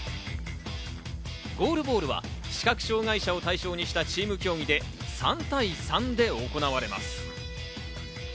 ゴールボールは視覚障がい者を対象にしたチーム競技で、３対３で行われます。